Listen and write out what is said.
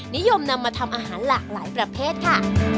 นิยมนำมาทำอาหารหลากหลายประเภทค่ะ